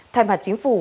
thay mặt chính phủ